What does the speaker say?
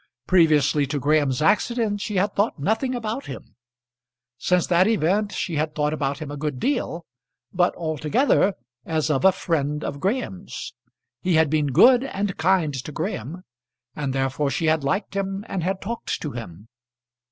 Previously to Graham's accident she had thought nothing about him. Since that event she had thought about him a good deal; but altogether as of a friend of Graham's. He had been good and kind to Graham, and therefore she had liked him and had talked to him.